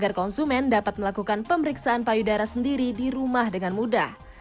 agar konsumen dapat melakukan pemeriksaan payudara sendiri di rumah dengan mudah